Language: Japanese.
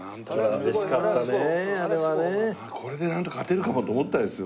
これでなんとか勝てるかもと思ったですよ。